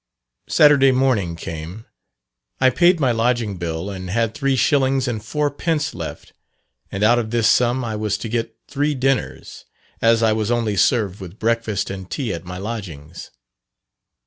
Saturday morning came; I paid my lodging bill, and had three shillings and fourpence left; and out of this sum I was to get three dinners, as I was only served with breakfast and tea at my lodgings.